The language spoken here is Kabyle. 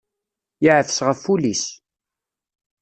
Yeɛfes ɣef wul-is.